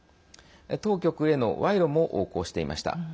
当局への賄賂も横行していました。